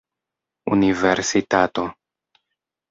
universitato